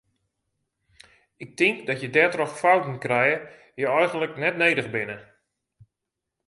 Ik tink dat je dêrtroch fouten krije dy eigenlik net nedich binne.